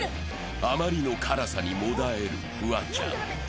あまりの辛さにもだえるフワちゃん。